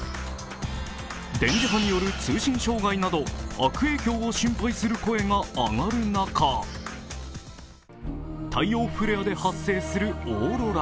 電磁波による通信障害など悪影響を心配する声が上がる中、太陽フレアで発生するオーロラ。